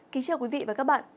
kính chào quý vị và các bạn